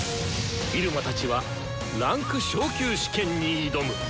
入間たちは位階昇級試験に挑む！